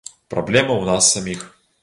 Праблема ў нас саміх.